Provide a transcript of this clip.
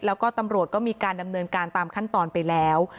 แล้วก็ตำรวจก็มีการดำเนินการตามขั้นตอนไปแล้ว